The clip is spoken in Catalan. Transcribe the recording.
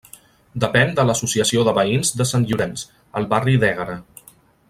Depèn de l'associació de veïns de Sant Llorenç, al barri d'Ègara.